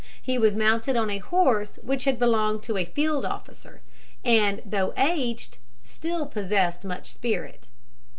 He was mounted on a horse which had belonged to a field officer; and, though aged, still possessed much spirit.